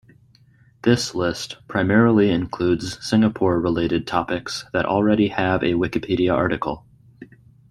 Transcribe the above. This list primarily includes Singapore-related topics that already have a Wikipedia article.